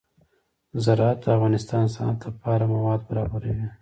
زراعت د افغانستان د صنعت لپاره مواد برابروي.